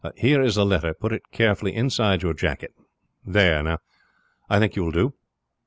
Here is the letter, put it carefully inside your jacket. There, now, I think you will do."